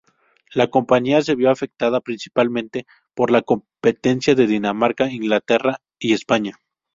La compañía se vio afectada principalmente por la competencia de Dinamarca, Inglaterra y España.